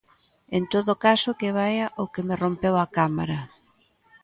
En todo caso que vaia o que me rompeu a cámara!